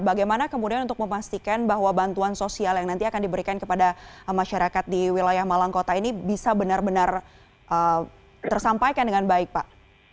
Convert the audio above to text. bagaimana kemudian untuk memastikan bahwa bantuan sosial yang nanti akan diberikan kepada masyarakat di wilayah malang kota ini bisa benar benar tersampaikan dengan baik pak